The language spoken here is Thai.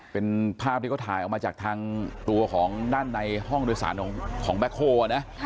เป็นภาพที่เขาถ่ายออกมาจากทางตัวของด้านในห้องโดยสารของแบ็คโฮลนะ